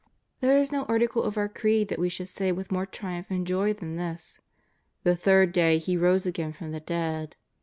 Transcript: There is no article of our Creed that we should say with more triumph and joy than this :^' The third day He rose again from the dead."